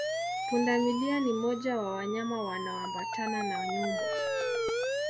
Pundamilia ni moja wa wanyama wanaoambatana na nyumbu